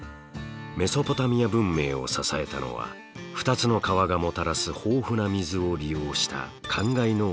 メソポタミア文明を支えたのは２つの川がもたらす豊富な水を利用した灌漑農業です。